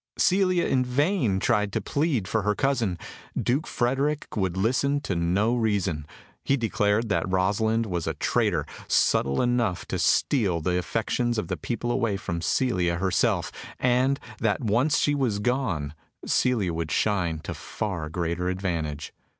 Celia in vain tried to plead for her cousin. Duke Frederick would listen to no reason. He declared that Rosalind was a traitor, subtle enough to steal the affections of the people away from Celia herself, and that once she was gone Celia would shine to far greater advantage.